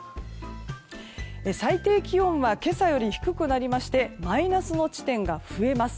最低気温は今朝より低くなりましてマイナスの地点が増えます。